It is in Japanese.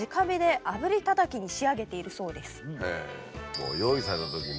もう用意されたときに。